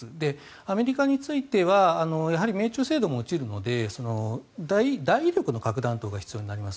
アメリカについては命中精度も落ちるので大威力の核弾頭が必要になります。